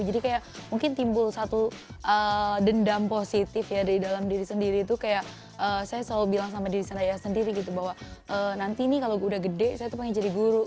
jadi kayak mungkin timbul satu dendam positif ya dari dalam diri sendiri itu kayak saya selalu bilang sama diri saya sendiri gitu bahwa nanti nih kalau gue udah gede saya tuh pengen jadi guru